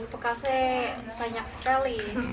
bekasnya banyak sekali